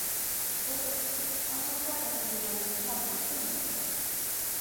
Alex, চমৎকার একটা ডিনারের জন্য আপনাকে ধন্যবাদ।